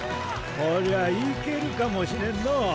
こりゃいけるかもしれんのう。